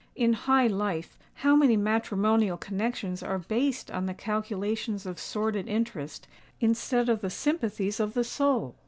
In high life how many matrimonial connexions are based on the calculations of sordid interest, instead of the sympathies of the soul!